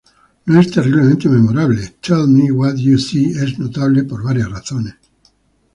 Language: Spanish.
No es terriblemente memorable", "Tell Me What You See" es notable por varias razones.